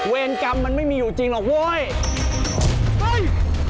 เวรกรรมมันไม่มีอยู่จริงหรอกเว้ย